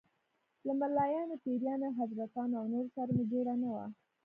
له ملايانو، پیرانو، حضرتانو او نورو سره مې جوړه نه وه.